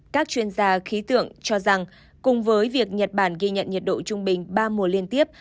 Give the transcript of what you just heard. các chuyên gia khí tượng cho rằng cùng với việc nhật bản ghi nhận nhiệt độ trung bình ba mùa liên tiếp